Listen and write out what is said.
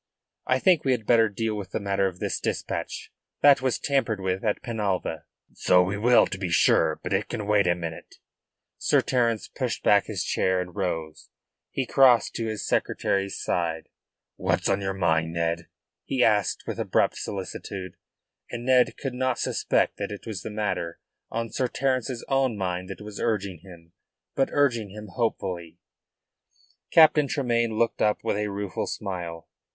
"I think we had better deal with the matter of this dispatch that was tampered with at Penalva." "So we will, to be sure. But it can wait a minute." Sir Terence pushed back his chair, and rose. He crossed slowly to his secretary's side. "What's on your mind, Ned?" he asked with abrupt solicitude, and Ned could not suspect that it was the matter on Sir Terence's own mind that was urging him but urging him hopefully. Captain Tremayne looked up with a rueful smile.